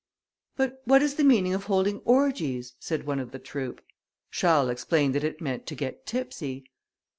"But what is the meaning of holding orgies?" said one of the troop. Charles explained that it meant to get tipsy.